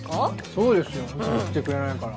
そうですよ。いつも来てくれないから。